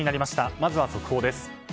まずは速報です。